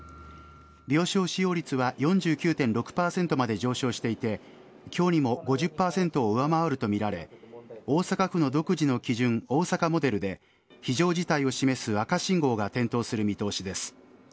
病床使用率は４９．６％まで上昇していて今日にも５０％を上回るとみられ大阪府の独自の基準大阪モデルで非常事態を示す赤信号が点灯する見通しです。